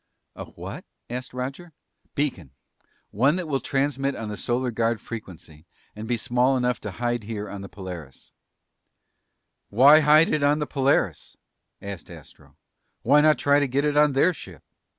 "A what?" asked Roger. "Beacon. One that will transmit on the Solar Guard special frequency and be small enough to hide here on the Polaris." "Why hide it on the Polaris?" asked Astro. "Why not try to get it on their ship?"